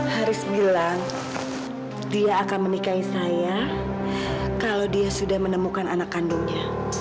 haris bilang dia akan menikahi saya kalau dia sudah menemukan anak kandungnya